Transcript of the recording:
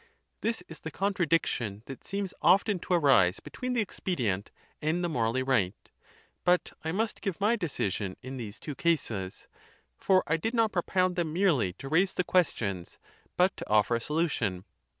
This is the contradiction that seems often to arise between the expedient and the morally right, But I must give my decision in these two cases ; for cicero's decisbn I did not propound them merely to raise the ques '"'^*"^^^ tions, but to offer a solution.